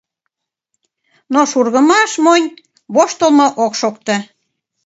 Но шургымаш монь, воштылмо ок шокто.